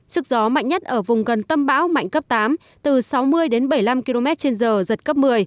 sức gió mạnh nhất ở vùng gần tâm bão mạnh cấp tám từ sáu mươi đến bảy mươi năm km trên giờ giật cấp một mươi